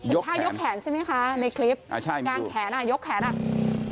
ยกแขนใช่ไหมคะในคลิปงานแขนยกแขนอ่ะใช่มีดู